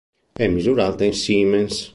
È misurata in siemens.